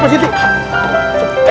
bapak security bawa